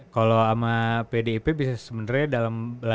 kalau sama pdip bisa sebenernya